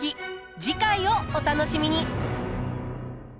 次回をお楽しみに。